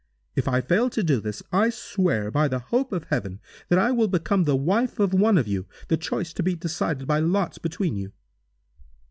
If I fail to do this, I swear, by the hope of heaven, that I will become the wife of one of you, the choice to be decided by lots between you!"